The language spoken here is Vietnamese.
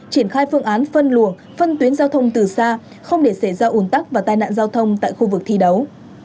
triển khai phương án phân luồng phân tuyến giao thông từ xa không để xảy ra ủn tắc và tai nạn giao thông tại khu vực thi đấu